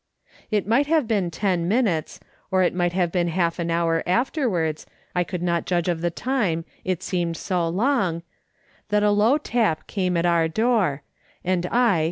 It might have been ten minutes, or it might have been half an hour afterwards — I could not judge of the time, it seemed so long — that a low tap came at our door, and I.